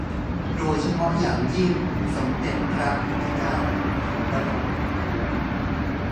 โดยเฉพาะอย่างยิ่ง สมเด็จพระพุทธเจ้าองค์ปฐมบรมครู